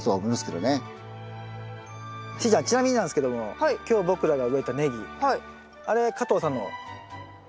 しーちゃんちなみになんですけども今日僕らが植えたネギあれ加藤さんの苗。